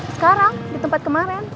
sekarang di tempat kemarin